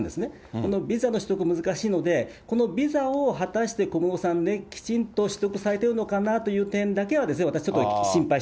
このビザの取得、難しいので、このビザを、果たして小室さん、きちんと取得されているのかなという点だけは、私、ちょっと心配